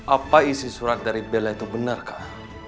apa isi surat dari bella itu benar kak